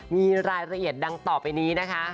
มีรายละเอียดดังต่อไปนี้นะคะ